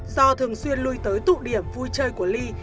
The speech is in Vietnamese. do thường xuyên lui tới tụ điểm vui chơi của ly